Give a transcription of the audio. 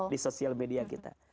di sosial media kita